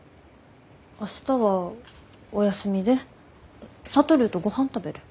明日はお休みで智とごはん食べる。